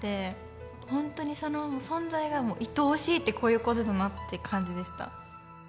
ほんとにその存在がいとおしいってこういうことだなって感じでした。